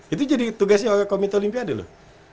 itu jadi tugasnya oleh komite olimpiade loh